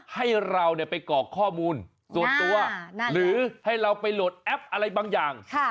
ให้เราไปกรอกข้อมูลส่วนตัวหรือให้เราไปโหลดแอปอะไรบางอย่าง